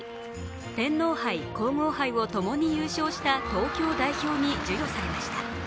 天皇杯・皇后杯をともに優勝した東京代表に授与されました。